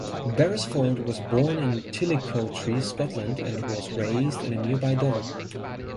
Beresford was born in Tillicoultry, Scotland, and was raised in nearby Dollar.